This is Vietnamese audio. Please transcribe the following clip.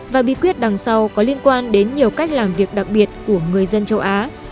và bí quyết đằng sau có liên quan đến nhiều cách làm việc đặc biệt của người dân châu á